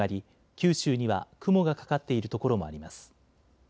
九州には雲がかかっている所もあります。